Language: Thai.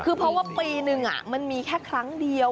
คือเพราะว่าปีนึงมันมีแค่ครั้งเดียว